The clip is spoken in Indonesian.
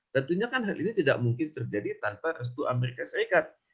tentunya kan hal ini tidak mungkin terjadi tanpa restu amerika serikat